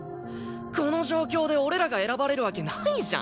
この状況で俺らが選ばれるわけないじゃん。